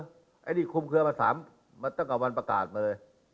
อันนี้คุมเคลือมา๓มาตั้งแต่วันประกาศมาเลย